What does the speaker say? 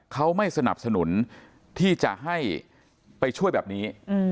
เขาไม่สนับสนุนที่จะให้ไปช่วยแบบนี้